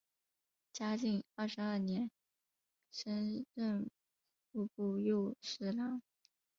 嘉靖二十二年升任户部右侍郎。